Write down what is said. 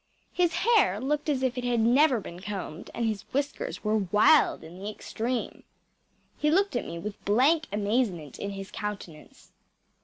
His hair looked as if it had never been combed, and his whiskers were wild in the extreme. He looked at me with blank amazement in his countenance.